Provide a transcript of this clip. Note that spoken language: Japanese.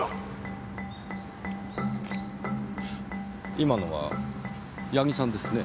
今のは矢木さんですね。